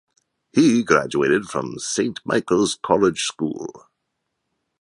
He graduated from Saint Michael's College School.